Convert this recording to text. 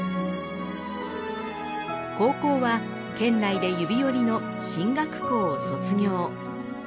高校は県内で指折りの進学校を卒業。